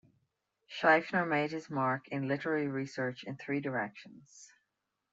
Schiefner made his mark in literary research in three directions.